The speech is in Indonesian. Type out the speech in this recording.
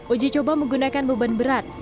uji coba menggunakan beban berat